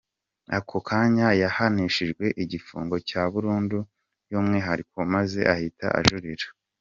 Ako kanya yahanishijwe igifungo cya burundu y’umwihariko maze ahita ajurira.